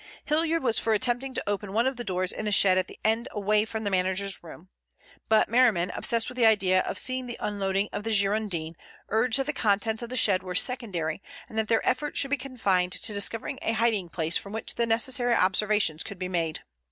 Hilliard was for attempting to open one of the doors in the shed at the end away from the manager's room, but Merriman, obsessed with the idea of seeing the unloading of the Girondin, urged that the contents of the shed were secondary, and that their efforts should be confined to discovering a hiding place from which the necessary observations could be made.